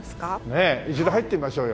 ねえ一度入ってみましょうよ